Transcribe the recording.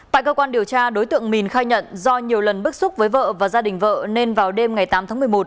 tại cơ quan điều tra đối tượng mn khai nhận do nhiều lần bức xúc với vợ và gia đình vợ nên vào đêm ngày tám tháng một mươi một